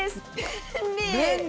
便利。